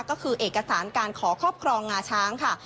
ก็คือเอกสารการขอครอบครองงาช้างค่ะ